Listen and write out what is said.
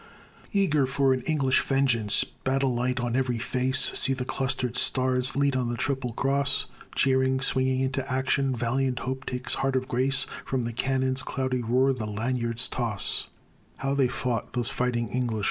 Eager for an English vengeance, battle light on every face, See the Clustered Stars lead on the Triple Cross! Cheering, swinging into action, valiant Hope takes heart of grace From the cannon's cloudy roar, the lanyards' toss How they fought, those fighting English!